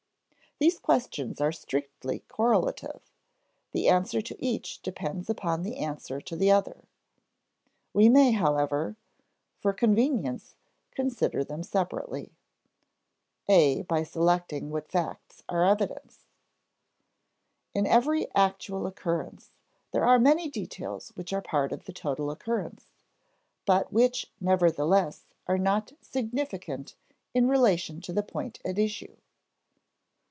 These questions are strictly correlative; the answer to each depends upon the answer to the other. We may, however, for convenience, consider them separately. [Sidenote: (a) by selecting what facts are evidence] (a) In every actual occurrence, there are many details which are part of the total occurrence, but which nevertheless are not significant in relation to the point at issue.